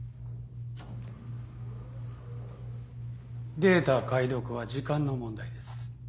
データ解読は時間の問題です。